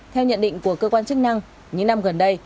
theo nhận định của cơ quan chức năng những năm gần đây